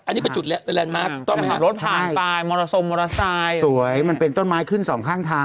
อันนี้ไปจุดละต้องการรถผ้านต่ายมรสมมรสชายสวยมันเป็นต้นไม้ขึ้นสองข้างทาง